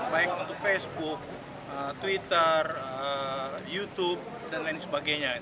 baik untuk facebook twitter youtube dan lain sebagainya